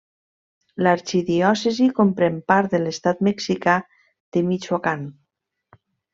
L'arxidiòcesi comprèn part de l'estat mexicà de Michoacán.